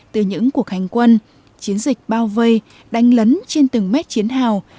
từ những cuộc hành quân chiến dịch bao vây đánh lấn trên từng mét chiến hào